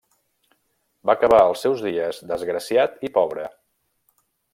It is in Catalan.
Va acabar els seus dies desgraciat i pobre.